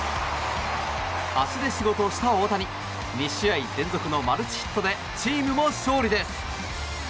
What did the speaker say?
足で仕事をした大谷２試合連続のマルチヒットでチームも勝利です。